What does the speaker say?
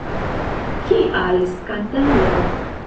Kial skandalo?